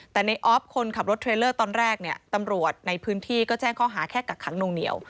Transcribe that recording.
แต่ในออฟคนขับรถเทรลเลอร์ตอนแรกเนี่ยตำรวจในพื้นที่ก็แจ้งข้อหาแค่กักขังนวงเหนียว